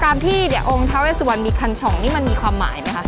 การที่เดี๋ยวองค์เท่าไว้ส่วนมีคันชองนี่มันมีความหมายไหมค่ะ